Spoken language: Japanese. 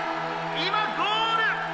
今ゴール！